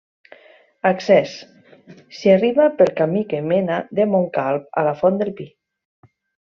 Accés: s'hi arriba pel camí que mena de Montcalb a la Font del Pi.